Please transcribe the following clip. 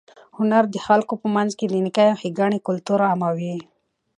هنر د خلکو په منځ کې د نېکۍ او ښېګڼې کلتور عاموي.